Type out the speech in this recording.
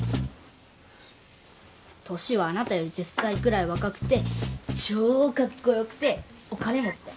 年はあなたより１０歳くらい若くて超かっこよくてお金持ちだよ。